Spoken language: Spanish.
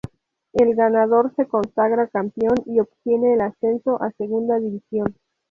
El ganador se consagra campeón y obtiene el ascenso a Segunda División.